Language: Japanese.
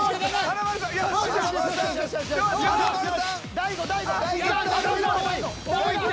大悟大悟！